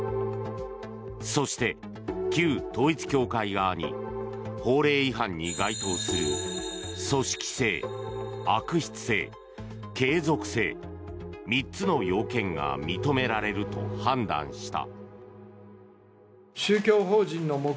そして旧統一教会側に法令違反に該当する組織性、悪質性、継続性３つの要件が認められると判断した。